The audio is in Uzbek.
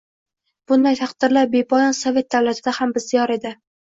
Bunday taqdirlar bepoyon sovet davlatida ham bisyor edi